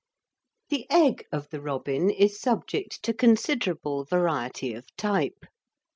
The egg of the robin is subject to considerable variety of type.